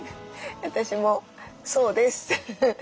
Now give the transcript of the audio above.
私もそうです。